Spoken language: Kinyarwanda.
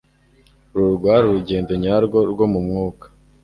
uru rwari urugendo nyarwo rwo mu mwuka